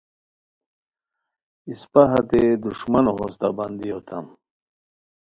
اسپہ ہتے دُݰمنو ہوستہ بندی ہوتام